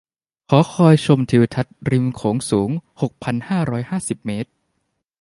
หอคอยชมทิวทัศน์ริมโขงสูง หกพันห้าร้อยห้าสิบ เมตร